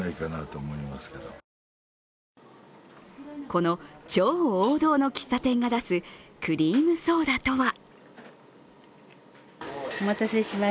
この超王道の喫茶店が出すクリームソーダとは。